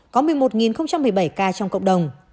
có một mươi một một mươi bảy ca trong cộng đồng